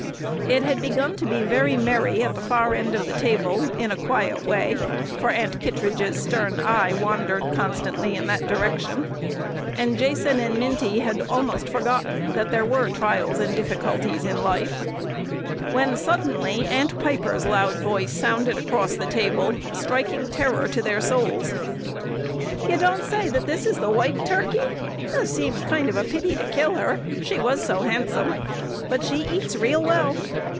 It had begun to be very merry at the far end of the table, in a quiet way, for Aunt Kittredge's stern eye wandered constantly in that direction, and Jason and Minty had almost forgotten that there were trials and difficulties in life, when suddenly Aunt Piper's loud voice sounded across the table, striking terror to their souls: "You don't say that this is the white turkey? Seems kind of a pity to kill her, she was so handsome. But she eats real well.